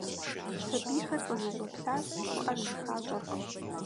Сэбийхэр къызэщӀэплъащ, щӀыӀэр зэхащӀэркъым.